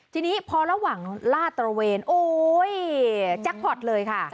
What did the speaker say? ทีนี้พอระหว่างลาดตระเวนโอ้ยแจ็คพอร์ตเลยค่ะ